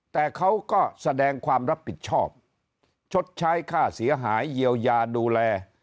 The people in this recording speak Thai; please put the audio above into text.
แต่เขาก็แสดงความรับผิดชอบชดใช้ค่าเสียหายเยียวยาดูแล